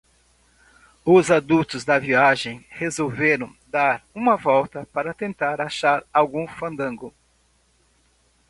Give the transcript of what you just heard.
Os adultos da viagem resolveram dar uma volta para tentar achar algum fandango.